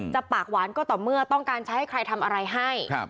ปากหวานก็ต่อเมื่อต้องการใช้ให้ใครทำอะไรให้